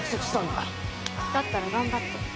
だったら頑張って。